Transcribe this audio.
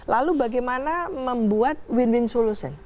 lalu bagaimana membuat win win solution